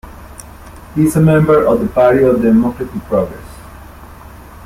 He is a member of the Party of Democratic Progress.